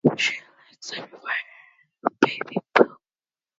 He represents Australia in rugby sevens.